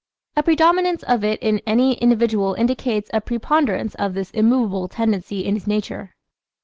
A predominance of it in any individual indicates a preponderance of this immovable tendency in his nature.